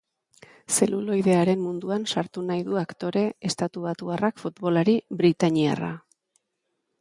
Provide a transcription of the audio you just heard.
Zeluloidearen munduan sartu nahi du aktore estatubatuarrak futbolari britainiarra.